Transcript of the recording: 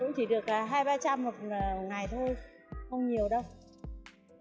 cũng chỉ được hai trăm linh ba trăm linh một ngày thôi không nhiều đâu